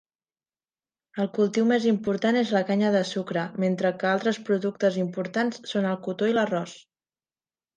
El cultiu més important és la canya de sucre, mentre que altres productes importants són el cotó i l'arròs.